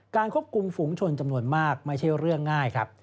ควบคุมฝุงชนจำนวนมากไม่ใช่เรื่องง่ายครับ